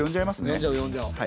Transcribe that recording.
呼んじゃおう呼んじゃおう。